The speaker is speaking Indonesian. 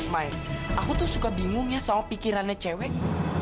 mie aku tuh suka bingung ya sama pikirannya cewek